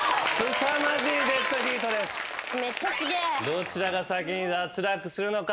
どちらが先に脱落するのか。